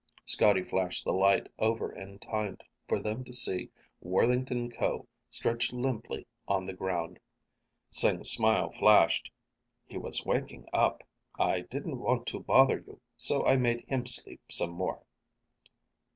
Scotty flashed the light over in time for them to see Worthington Ko stretch limply on the ground. Sing's smile flashed. "He was waking up. I didn't want to bother you, so I made him sleep some more."